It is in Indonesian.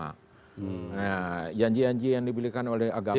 nah janji janji yang diberikan oleh agama